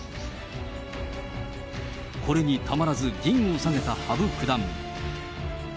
これにたまらず銀を下げた羽生九段。